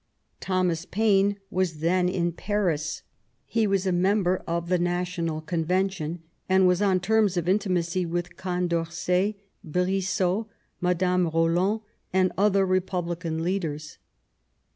Thomas Paine was then in Paris. He VISIT TO PABI8. 113 was a member of the National Convention, and was on terms of intimacy with Condorcet, Brissot, Madame Boland, and other Republican leaders.